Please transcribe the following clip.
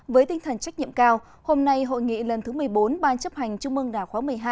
với tinh thần trách nhiệm cao hôm nay hội nghị lần thứ một mươi bốn ban chấp hành trung mương đảng khóa một mươi hai